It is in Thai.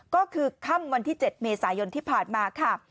ก็คือค่ำวันที่๗เมษายนที่ผ่านมาค่ะ